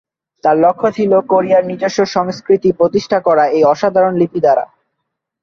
তার লক্ষ ছিল কোরিয়ার নিজস্ব সংস্কৃতি প্রতিষ্ঠা করা এই অসাধারণ লিপি দ্বারা।